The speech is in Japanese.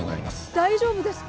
大丈夫ですか？